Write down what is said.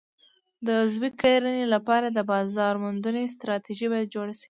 د عضوي کرنې لپاره د بازار موندنې ستراتیژي باید جوړه شي.